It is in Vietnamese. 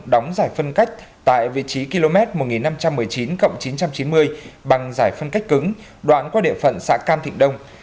đóng giải phân cách tại vị trí km một nghìn năm trăm một mươi chín chín trăm chín mươi bằng giải phân cách cứng đoạn qua địa phận xã cam thịnh đông